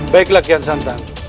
baiklah kian santa